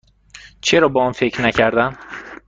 چرا به آن فکر نکردم؟